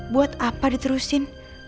buat apa diterusin